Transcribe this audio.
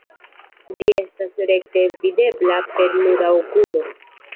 Ĝi estas rekte videbla per nuda okulo.